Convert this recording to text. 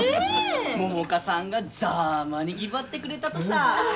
百花さんがざぁまにぎばってくれたとさぁ！